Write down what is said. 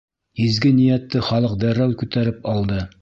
Изге ниәтте халыҡ дәррәү күтәреп алды.